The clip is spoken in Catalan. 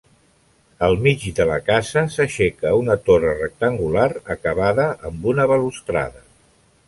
Al mig de la casa s'aixeca una torre rectangular acabada amb una balustrada.